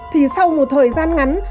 thì sau một thời gian ngắn